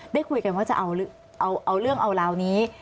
ได้คุยกันว่าจะเอาเรื่องเอาราวนี้